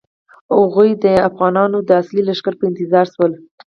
هغوی د افغانانو د اصلي لښکر په انتظار شول.